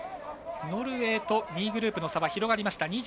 ノルウェーと２位グループの差は広がりました。